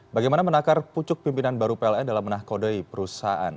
bagaimana menakar pucuk pimpinan baru pln dalam menahkodai perusahaan